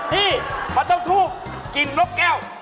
นี่เขาต้องถูกกลิ่นนกแก้ว